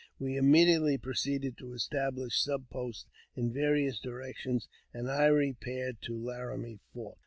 We immediately pro ceeded to establish sub posts in various directions, and I repaired to Laramie Fork.